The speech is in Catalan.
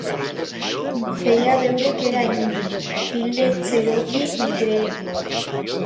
Feia veure que era indi, fill de cherokee i cree.